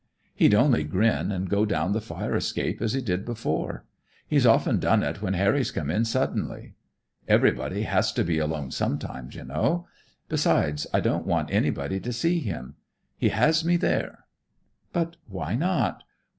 "He'd only grin and go down the fire escape as he did before. He's often done it when Harry's come in suddenly. Everybody has to be alone sometimes, you know. Besides, I don't want anybody to see him. He has me there." "But why not?